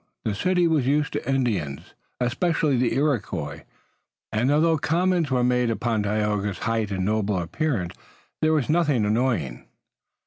The city was used to Indians, especially the Iroquois, and although comments were made upon Tayoga's height and noble appearance there was nothing annoying.